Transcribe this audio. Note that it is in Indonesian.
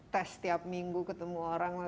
tes setiap minggu ketemu orang lah